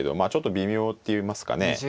あちょっと微妙っていいますかね